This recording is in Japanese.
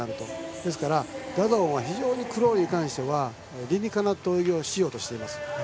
ですから、ダダオンはクロールに関しては理にかなった泳ぎをしようとしています。